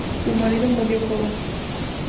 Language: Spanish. Su marido murió joven.